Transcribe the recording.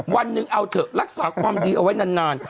วันหนึ่งเอาเถอะรักษาความดีเอาไว้นาน